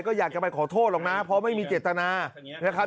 ก็อยากจะไปขอโทษลงนะเพราะไม่มีเจตนา